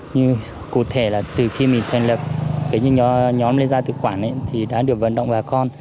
nhưng cụ thể là từ khi mình thành lập nhóm liên gia tự quản thì đã được vận động bà con